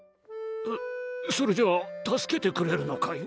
えっそれじゃあ助けてくれるのかい？